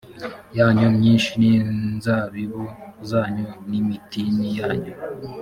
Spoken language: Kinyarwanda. yanyu myinshi n inzabibu zanyu n imitini yanyu